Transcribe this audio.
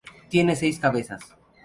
Tiene seis cabezas.